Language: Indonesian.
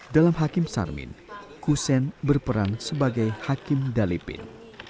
dalam hakim sarmin kusen berperan sebagai hakim dalipin